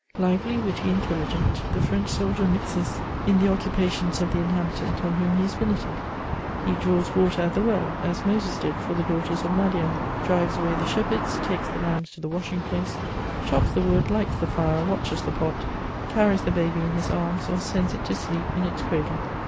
Lively, witty, intelligent, the French soldier mixes in the occupations of the inhabitant on whom he is billeted: he draws water at the well, as Moses did for the daughters of Madian, drives away the shepherds, takes the lambs to the washing place, chops the wood, lights the fire, watches the pot, carries the baby in his arms, or sends it to sleep in its cradle.